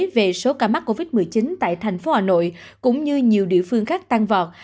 về số ca mắc covid một mươi chín tại thành phố hà nội cũng như nhiều địa phương khác tăng vọt